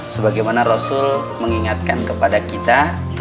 sebagaimana rasul mengingatkan kepada kita